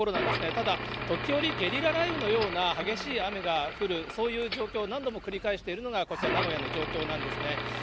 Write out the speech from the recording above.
ただ、時折、ゲリラ雷雨のような激しい雨が降る、そういう状況を何度も繰り返しているのがこちら、名古屋の状況なんですね。